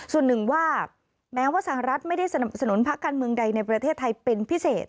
ส่วนหนึ่งว่าแม้ว่าสหรัฐไม่ได้สนับสนุนพักการเมืองใดในประเทศไทยเป็นพิเศษ